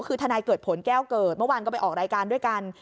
คือทนายเกิดผลแก้วเกิดเมื่อวานก็ไปออกรายการด้วยกัน